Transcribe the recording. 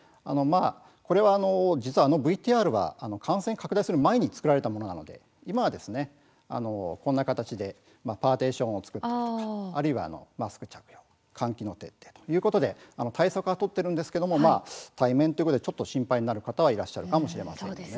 実は、あのＶＴＲは感染が拡大する前に作られたものなので今はこんな形でパーティションを作るあるいはマスクを着ける換気の徹底ということで対策を取っているんですけれども対面ということで心配なる方はいらっしゃるかもしれません。